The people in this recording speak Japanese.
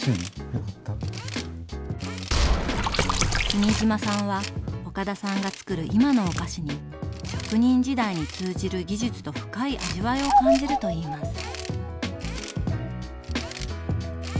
君島さんは岡田さんがつくる今のお菓子に職人時代に通じる技術と深い味わいを感じるといいます。